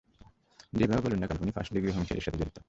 যেভাবেই বলুন না কেন, উনি ফার্স্ট ডিগ্রি হোমিসাইডের সাথে জড়িত।